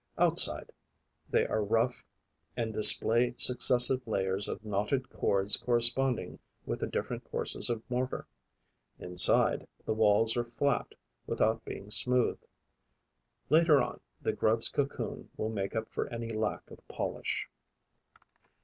Outside, they are rough and display successive layers of knotted cords corresponding with the different courses of mortar. Inside, the walls are flat without being smooth; later on, the grub's cocoon will make up for any lack of polish.